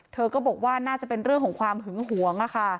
เธอก็บอกว่าน่าจะเป็นเรื่องของความหึงหวง